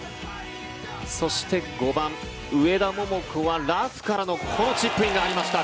そして５番上田桃子はラフからのこのチップインがありました。